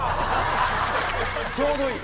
ちょうどいい。